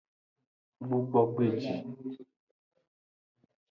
Gbugbogbeji.